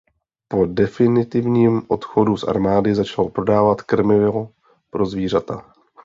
Po definitivním odchodu z armády začal prodávat krmivo pro zvířata.